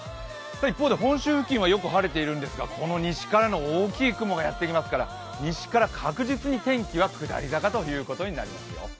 一方で本州付近はよく晴れているんですが、西からの大きい雲がやってきますから西から確実に天気は下り坂ということになりますよ。